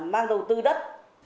mang đầu tư đất